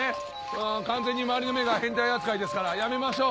完全に周りの目が変態扱いですからやめましょう。